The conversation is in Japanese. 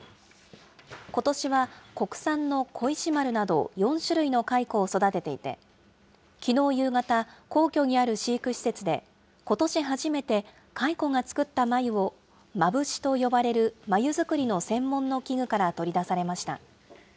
ことしは国産の小石丸など、４種類の蚕を育てていて、きのう夕方、皇居にある飼育施設で、ことし初めて蚕が作った繭を蔟と呼ばれる、繭づくりの専門の器具から取り出されました。